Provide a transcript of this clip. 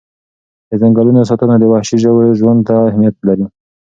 د ځنګلونو ساتنه د وحشي ژوو ژوند ته اهمیت لري.